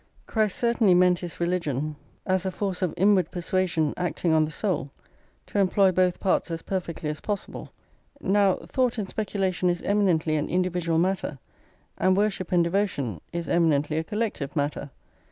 Christ certainly meant his religion, as a force of inward persuasion acting on the soul, to employ both parts as perfectly as possible. Now thought and speculation is eminently an individual matter, and worship and devotion is eminently a collective matter.